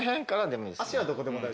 足はどこでも大丈夫。